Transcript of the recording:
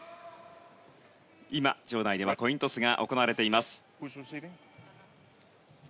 今、場内ではコイントスが行われています。